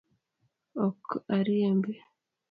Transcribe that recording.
Ok a riembi.